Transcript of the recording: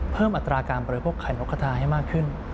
เพิ่มอัตราการบริโภคไข่นกคาทาให้มากขึ้น